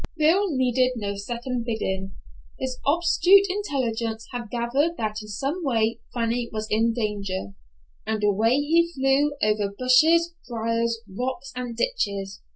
Bill needed no second bidding. His obtuse intellect had gathered that in some way Fanny was in danger, and away he flew over bushes, briers, rocks and ditches.